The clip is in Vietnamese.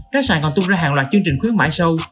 các sản còn tung ra hàng loạt chương trình khuyến mãi sâu